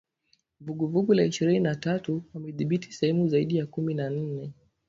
Vuguvugu la Ishirini na tatu wamedhibithi sehemu zaidi ya kumi na nne